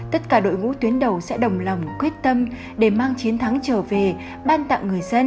tất cả đội ngũ tuyến đầu sẽ đồng lòng quyết tâm để mang chiến thắng trở về ban tặng người dân